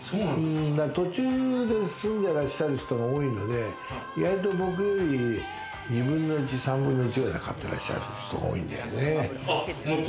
途中で住んでらっしゃる人が多いので、意外と僕より２分の１、３分の１くらいで買ってらっしゃる人が多いんだよね。